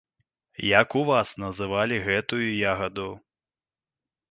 Як у вас называлі гэтую ягаду?